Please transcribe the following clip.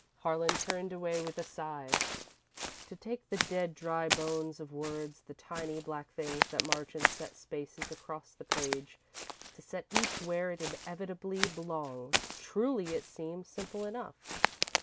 Harlan turned away with a sigh. To take the dead, dry bones of words, the tiny black things that march in set spaces across the page; to set each where it inevitably belongs truly, it seems simple enough.